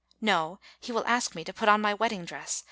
•*No, he will ask me to put on my wedding dress.